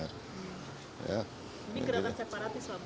ini kerabat separatis bukan di sisi ekonomi atau apa